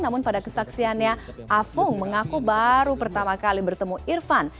namun pada kesaksiannya afung mengaku baru pertama kali bertemu irfan